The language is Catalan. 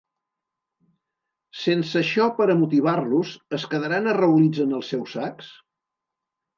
Sense això per a motivar-los, es quedaran arraulits en els seus sacs?